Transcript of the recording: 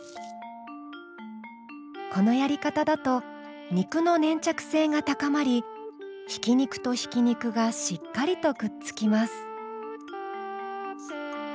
このやり方だと肉の粘着性が高まりひき肉とひき肉がしっかりとくっつきます。